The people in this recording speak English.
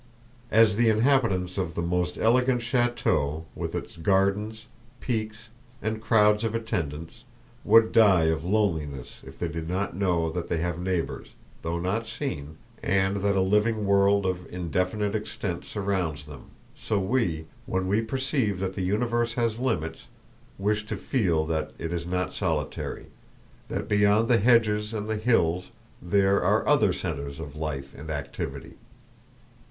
As the inhabitants of the most elegant château, with its gardens, parks, and crowds of attendants, would die of loneliness if they did not know that they have neighbors, though not seen, and that a living world of indefinite extent surrounds them, so we, when we perceive that the universe has limits, wish to feel that it is not solitary; that beyond the hedges and the hills there are other centers of life and activity.